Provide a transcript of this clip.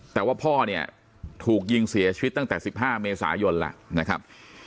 แต่ว่าพ่อเนี่ยถูกยิงเสียชีวิตตั้งแต่๑๕เมษายนแล้วนะครับ